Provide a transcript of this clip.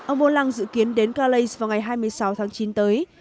ông hollande dự kiến đến calais vào ngày hai mươi sáu tháng chín tới